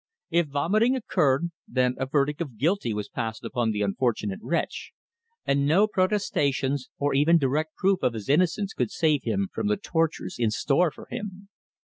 If vomiting occurred, then a verdict of guilty was passed upon the unfortunate wretch, and no protestations, or even direct proof of his innocence, could save him from the tortures in store for him.